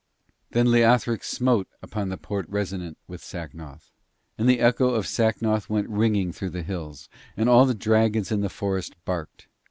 Then Leothric smote upon the Porte Resonant with Sacnoth, and the echo of Sacnoth went ringing through the halls, and all the dragons in the fortress barked.